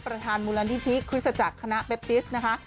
ประธานมูลนิธิคริสตจักรคณะเบปติสนะคะ